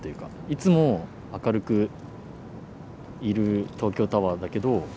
いつも明るくいる東京タワーだけど。